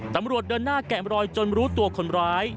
ตำรวจเดินหน้าแกะมรอยจนรู้ตัวคนร้าย